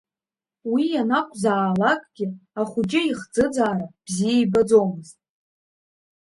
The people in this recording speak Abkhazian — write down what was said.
Уи ианакәзаалакгьы ахәыҷы ихӡыӡаара бзиа ибаӡомызт.